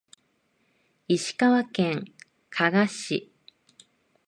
石川県加賀市